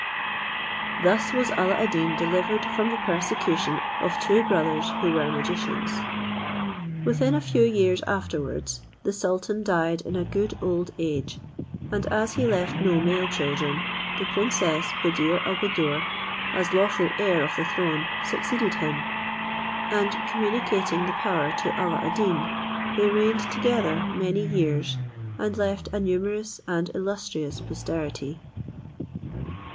Thus was Alla ad Deen delivered from the persecution of two brothers, who were magicians. Within a few years afterwards, the sultan died in a good old age, and as he left no male children, the princess Buddir al Buddoor, as lawful heir of the throne, succeeded him, and communicating the power to Alla ad Deen, they reigned together many years, and left a numerous and illustrious posterity.